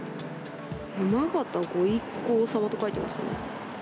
山形ご一行様と書いてありますね。